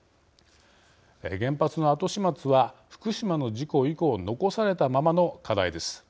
原発の後始末は福島の事故以降残されたままの課題です。